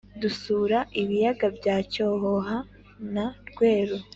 dusura ibiyaga bya cyohoha na rweru